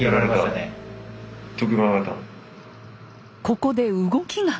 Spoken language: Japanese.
ここで動きが！